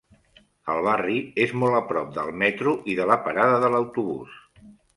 El barri és molt a prop del metro i de la parada de l'autobús.